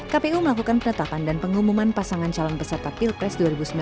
kpu melakukan penetapan dan pengumuman pasangan calon peserta pilpres dua ribu sembilan belas